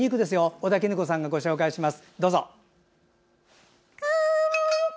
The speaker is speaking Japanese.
尾田衣子さんがご紹介します。